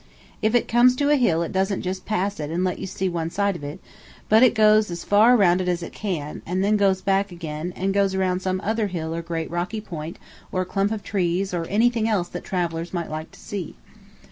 If it comes to a hill it doesn't just pass it and let you see one side of it, but it goes as far around it as it can, and then goes back again, and goes around some other hill or great rocky point, or a clump of woods, or anything else that travellers might like to see.